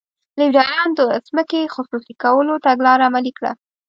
لیبرالانو د ځمکې خصوصي کولو تګلاره عملي کړه.